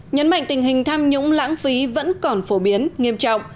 nhấn mạnh tình hình tham nhũng lãng phí vẫn còn phổ biến nghiêm trọng